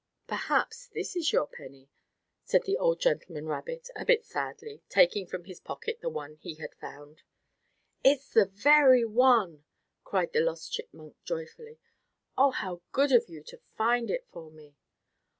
"Perhaps this is your penny," said the old gentleman rabbit a bit sadly, taking from his pocket the one he had found. "It is the very one!" cried the lost chipmunk, joyfully. "Oh, how good of you to find it for me."